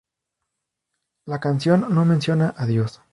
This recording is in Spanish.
La canción no menciona a Dios.